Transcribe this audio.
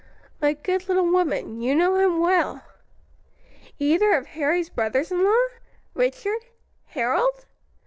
"My good little woman, you know him well." "Either of Harry's brothers in law? Richard? Harold?"